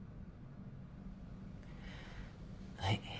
はい。